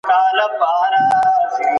ځوانان څنګه خپل ږغ جرګي ته رسوي؟